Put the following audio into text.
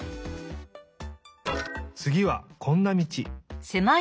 つぎはこんな道。